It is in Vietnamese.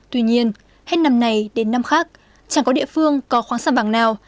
tuy nhiên hết năm nay đến năm khác chẳng có địa phương có khoáng sản bằng nào